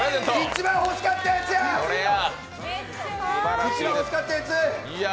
一番欲しかったやつや！